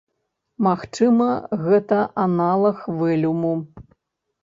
Магчыма, гэта аналаг вэлюму.